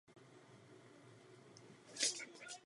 Ke klášteru vedou od silnice dvě přístupové cesty.